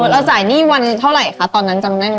เราจ่ายหนี้วันเท่าไหร่คะตอนนั้นจำได้ไหม